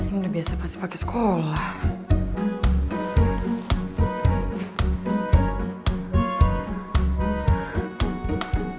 udah biasa pasti pakai sekolah